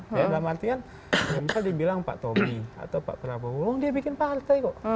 dalam artian misal dibilang pak tommy atau pak prabowo wong dia bikin partai kok